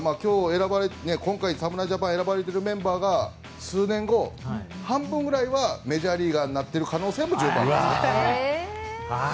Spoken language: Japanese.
今回侍ジャパンに選ばれているメンバーが数年後、半分くらいはメジャーリーガーになっている可能性もちょっとありますね。